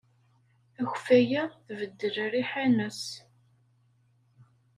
Akeffay-a tbeddel rriḥa-nnes.